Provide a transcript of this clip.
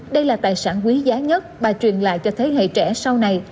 đây là tài sản quý giá nhất bà truyền lại cho thế hệ trẻ sau này